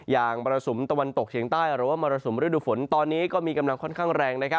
มรสุมตะวันตกเฉียงใต้หรือว่ามรสุมฤดูฝนตอนนี้ก็มีกำลังค่อนข้างแรง